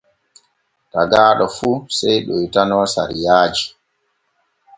Tagaaɗo fu sey ɗoytano sariyaaji.